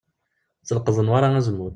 Tleqqeḍ Newwara azemmur.